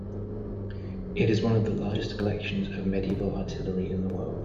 It is one of the largest collections of medieval artillery in the world.